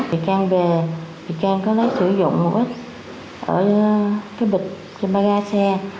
bị can về bị can có lấy sử dụng một ít ở cái bịch trên bà ga xe